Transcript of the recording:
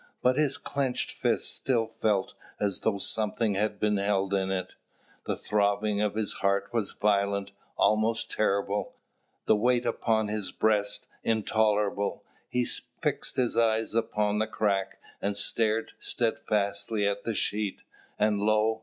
But his clenched fist still felt as though something had been held in it. The throbbing of his heart was violent, almost terrible; the weight upon his breast intolerable. He fixed his eyes upon the crack, and stared steadfastly at the sheet. And lo!